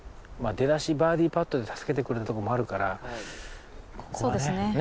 出だしバーディパットで助けてくれたとこもあるからここはね。